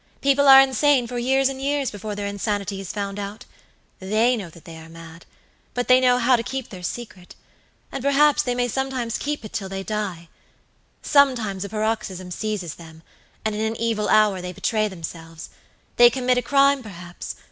"People are insane for years and years before their insanity is found out. They know that they are mad, but they know how to keep their secret; and, perhaps, they may sometimes keep it till they die. Sometimes a paroxysm seizes them, and in an evil hour they betray themselves. They commit a crime, perhaps.